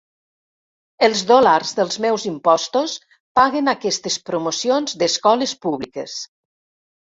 Els dòlars dels meus impostos paguen aquestes promocions d'escoles públiques.